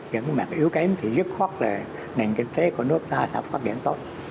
những mặt yếu kém thì dứt khoát là nền kinh tế của nước ta sẽ phát hiện tốt